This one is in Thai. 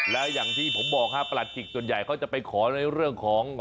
แล้วอย่างที่ผมบอกครับประหลัดจิกส่วนใหญ่เขาจะไปขอในเรื่องของ